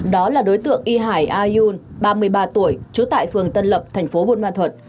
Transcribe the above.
đó là đối tượng y hải a yun ba mươi ba tuổi trú tại phường tân lập tp bun ma thuật